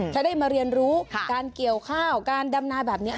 จะได้มาเรียนรู้การเกี่ยวข้าวการดำนาแบบนี้